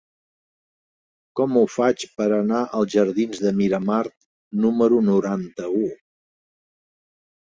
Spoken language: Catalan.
Com ho faig per anar als jardins de Miramar número noranta-u?